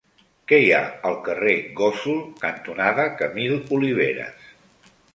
Què hi ha al carrer Gósol cantonada Camil Oliveras?